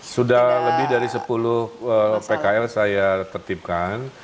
sudah lebih dari sepuluh pkl saya tertipkan